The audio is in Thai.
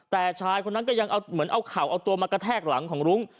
แต่ชายคนนั้นก็ยังเอาเหมือนเอาเข่าเอาตัวมากระแทกหลังของรุ้ง